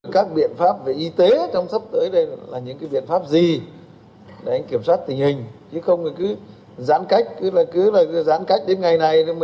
các biện pháp về y tế trong sắp tới đây là những cái biện pháp gì để anh kiểm soát tình hình chứ không thì cứ giãn cách cứ là cứ giãn cách đến ngày này